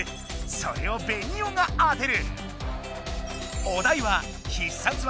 それをベニオが当てる！